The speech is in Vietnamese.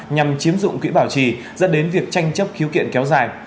nhằm chiếm dụng quỹ bảo trì dẫn đến việc tranh chấp khiếu kiện kéo dài